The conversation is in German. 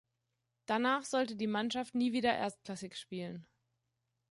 Danach sollte die Mannschaft nie wieder erstklassig spielen.